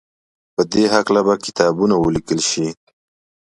په دې هکله به کتابونه وليکل شي.